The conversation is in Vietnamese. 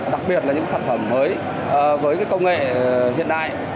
đặc biệt là những sản phẩm mới với công nghệ hiện đại